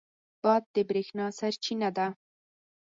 باد د برېښنا سرچینه ده.